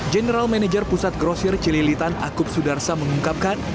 general manager pusat grosir cililitan akub sudarsa mengungkapkan